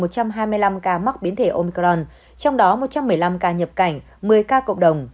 một trăm hai mươi năm ca mắc biến thể omcron trong đó một trăm một mươi năm ca nhập cảnh một mươi ca cộng đồng